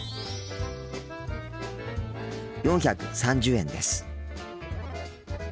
４３０円です。